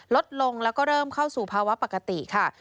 ลดลงแล้วก็เริ่มเข้าสู่ภาวะปกติค่ะ